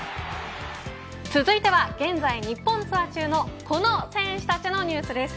続いては、現在日本ツアー中のこの選手たちのニュースです。